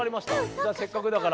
じゃあせっかくだから。